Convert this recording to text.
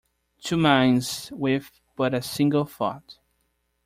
Two minds with but a single thought.